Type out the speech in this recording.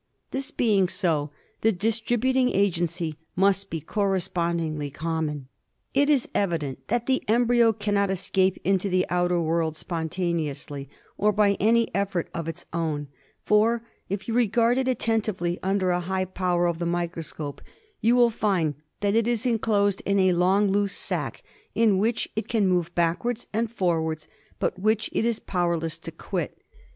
This being so, the distributing agency must be correspondingly common. It is evident that the embryo cannot escape into the outer world spontaneously, or by any effort of its own ; for, if you regard it attentively under a high power of the microscope, you will find that it is enclosed in a long loose sac in which it can move backwards and forwards, but which it is powerless to quit.